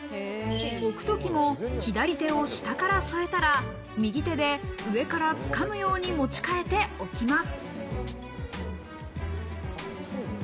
置く時も左手を下から添えたら、右手で上からつかむように持ち替えておきます。